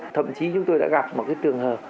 thậm chí chúng tôi đã gặp một cái trường hợp